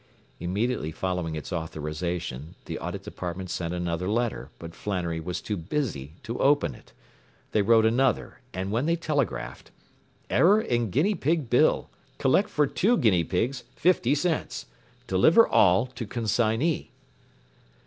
Immediately following its authorization the Audit Department sent another letter, but Flannery was too busy to open it. They wrote another and then they telegraphed: “Error in guinea pig bill. Collect for two guinea pigs, fifty cents. Deliver all to consignee.